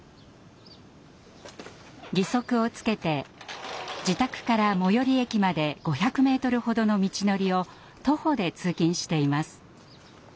義足をつけて自宅から最寄り駅まで５００メートルほどの道のりを徒歩で通勤しています。